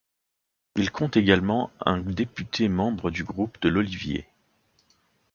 Il compte également un député membre du groupe de l'Olivier.